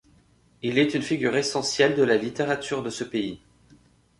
Il est une figure essentielle de la littérature de ce pays.